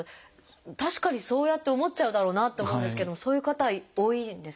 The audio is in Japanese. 確かにそうやって思っちゃうだろうなって思うんですけどもそういう方多いんですか？